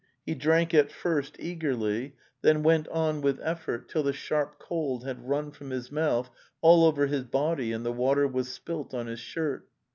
He drank at first eagerly, then went on with effort till the sharp cold had run from his mouth all over his body and the water was spilt on his shirt.